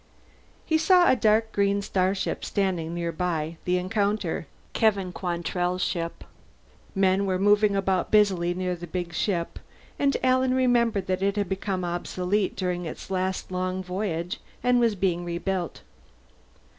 He saw a dark green starship standing nearby; the Encounter, Kevin Quantrell's ship. Men were moving about busily near the big ship, and Alan remembered that it had become obsolete during its last long voyage, and was being rebuilt.